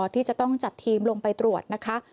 ที่จะต้องจัดทีมลงไปตรวจนะคะ